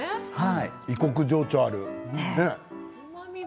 異国情緒のあるね。